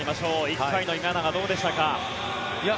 １回の今永、どうでしたか。